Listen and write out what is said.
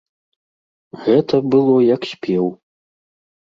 Гэта было як спеў.